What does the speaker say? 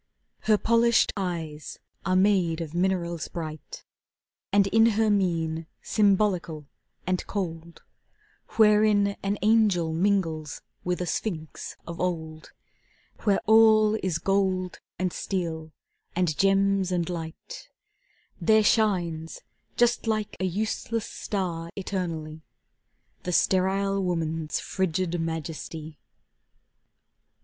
Her polished eyes are made of minerals bright, And in her mien, symbolical and cold, Wherein an angel mingles with a sphinx of old, Where all is gold, and steel, and gems, and light, There shines, just like a useless star eternally, The sterile woman's frigid majesty.